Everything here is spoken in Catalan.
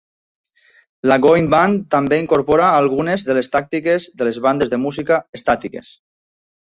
La Goin' Band també incorpora algunes de les tàctiques de les bandes de música estàtiques.